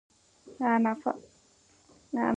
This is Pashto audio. ځواب د فکر پایله ده